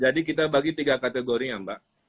jadi kita bagi tiga kategori ya mbak